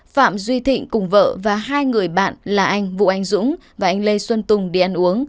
phạm duy thịnh cùng vợ và hai người bạn là anh vũ anh dũng và anh lê xuân tùng đi ăn uống